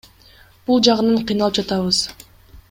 Бул жагынан кыйналып жатабыз.